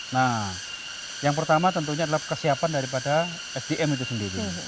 nah yang pertama tentunya adalah kesiapan daripada sdm itu sendiri